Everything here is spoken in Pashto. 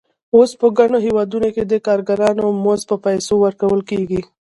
اوس په ګڼو هېوادونو کې د کارګرانو مزد په پیسو ورکول کېږي